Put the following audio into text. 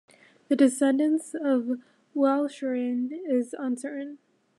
The descendance of Welschriesling is uncertain.